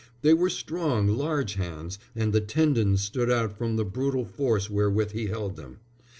They were strong, large hands, and the tendons stood out from the brutal force wherewith he held them.